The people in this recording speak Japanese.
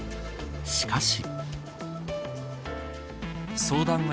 しかし。